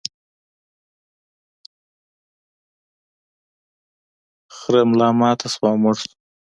خر ملا ماته شوه او مړ شو.